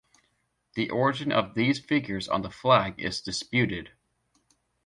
The origin of these figures on the flag is disputed.